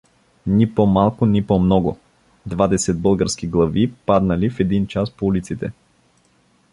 Ни по-малко, ни по-много — двадесет български глави паднали в един час по улиците!